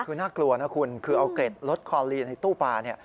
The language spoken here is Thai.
คือน่ากลัวนะคุณคือเอาเกร็ดรถคอลีนในตู้ปลาเนี่ย